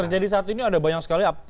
terjadi saat ini ada banyak sekali